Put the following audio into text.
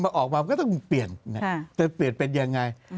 ก็ออกมาก็ต้องเปลี่ยนแต่เปลี่ยนเป็นยังไง